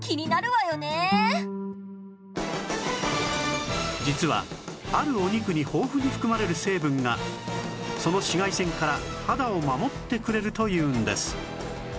これから実はあるお肉に豊富に含まれる成分がその紫外線から肌を守ってくれるというんです